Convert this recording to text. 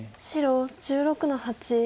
白１６の八。